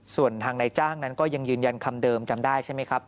ส่วนทางนายจ้างนั้นก็ยังยืนยันคำเดิมจำได้ใช่ไหมครับ